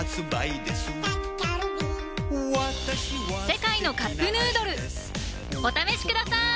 「世界のカップヌードル」お試しください！